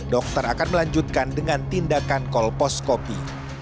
dokter akan melanjutkan dengan tindakan kolposcopy